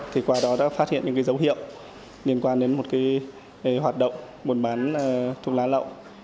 thì qua đó đã phát hiện những dấu hiệu liên quan đến một hoạt động buôn bán thuốc lá lậu